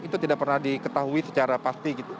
itu tidak pernah diketahui secara pasti gitu